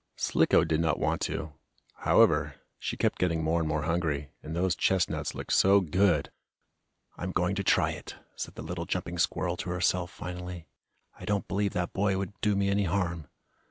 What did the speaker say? Slicko did not want to. However, she kept getting more and more hungry, and those chestnuts looked so good! "I'm going to try it!" said the little jumping squirrel to herself, finally. "I don't believe that boy would do me any harm."